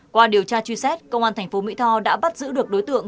qua điều tra truy xét công an tp mỹ tho đã bắt giữ được đối tượng